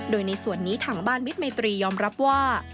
โดยในส่วนนี้ทางบ้านมิตรไมตรียอมรับว่า